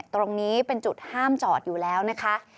ตรงนี้เป็นจุดห้ามจอดอยู่แล้วนะคะ